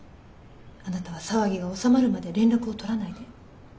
あなたは騒ぎが収まるまで連絡を取らないで。